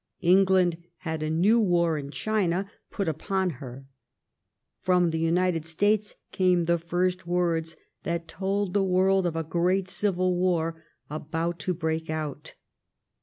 England had a new war in China put upon her. From the United States came the first words that told the world of a great civil war about to break out.